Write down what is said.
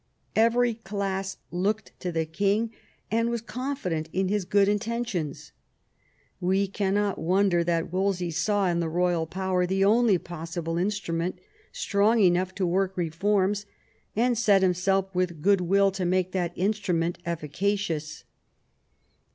Every class looked to the king, and was confident in his good intentions. We cannot wonder that Wolsey saw in the royal power the only possible instrument strong Jj, enough to work reforms, and set himself with goodwill ' to make that instrument efficacious.